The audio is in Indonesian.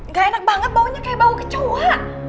gak enak banget baunya kayak bau kecoa